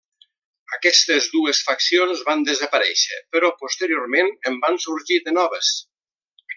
Aquestes dues faccions van desaparèixer, però posteriorment en van sorgir de noves.